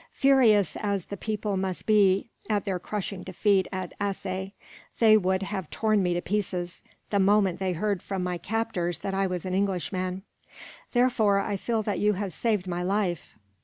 Furious as the people must be at their crushing defeat at Assaye, they would have torn me to pieces, the moment they heard from my captors that I was an Englishman; therefore I feel that you have saved my life.